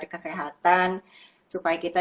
kesehatan supaya kita